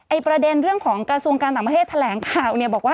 ประเด็นเรื่องของกระทรวงการต่างประเทศแถลงข่าวเนี่ยบอกว่า